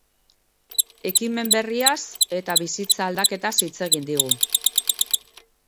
Ekimen berriaz eta bizitza aldaketaz hitz egin digu.